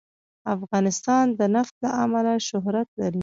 افغانستان د نفت له امله شهرت لري.